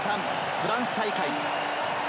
フランス大会。